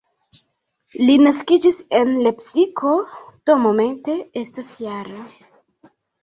Li naskiĝis en Lepsiko, do momente estas -jara.